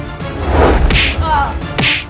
aku harus menangkap mereka